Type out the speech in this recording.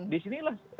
di sini lah